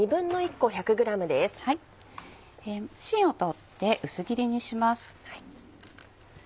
しんを取って薄切りにします。